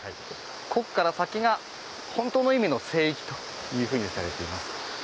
こっから先がホントの意味の聖域というふうにされています。